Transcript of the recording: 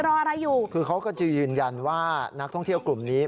รออะไรอยู่คือเขาก็จะยืนยันว่านักท่องเที่ยวกลุ่มนี้